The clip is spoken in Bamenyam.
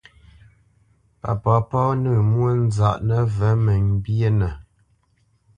Pa papá nǝ̂ǝ̂ mwónzaʼ nǝvǝ̂ mǝmbyénǝ.